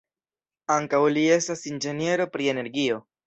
Ankaŭ li estas inĝeniero pri energio.